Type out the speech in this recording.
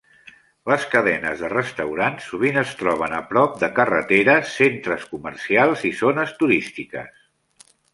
Les cadenes de restaurants sovint es troben a prop de carreteres, centres comercials i zones turístiques.